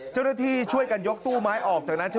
เจ้าหน้าที่ช่วยการยกตู้ไม้ออกจากถึง